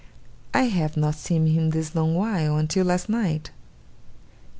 I have not seen him this long while, until last night.